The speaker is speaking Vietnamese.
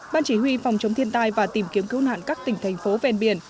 ban chỉ huy phòng chống thiên tai và tìm kiếm cứu nạn các tỉnh thành phố ven biển